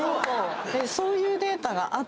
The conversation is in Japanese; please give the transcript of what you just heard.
そういうデータがあって。